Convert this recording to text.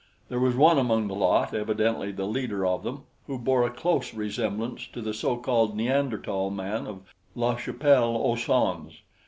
There was one among the lot, evidently the leader of them, who bore a close resemblance to the so called Neanderthal man of La Chapelle aux Saints.